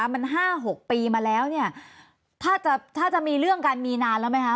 มัน๕๖ปีมาแล้วเนี่ยถ้าจะมีเรื่องกันมีนานแล้วไหมคะ